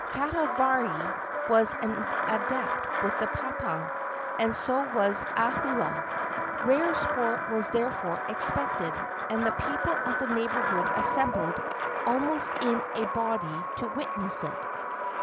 Kahavari was an adept with the papa, and so was Ahua. Rare sport was therefore expected, and the people of the neighborhood assembled almost in a body to witness it.